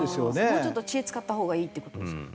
もうちょっと知恵使ったほうがいいって事ですか。